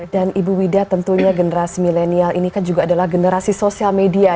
dan ibu wida tentunya generasi milenial ini kan juga adalah generasi sosial media